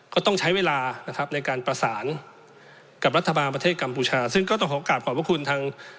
ก็ต้องใช้เวลานะครับในการประสานกับรัฐบาลประเทศกัมพูชาซึ่งก็ต้องขอกลับขอบพระคุณทาง